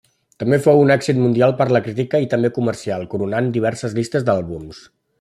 També fou un èxit mundial per la crítica i també comercial, coronant diverses llistes d'àlbums.